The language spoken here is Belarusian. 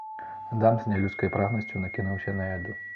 Адам з нялюдскай прагнасцю накінуўся на яду.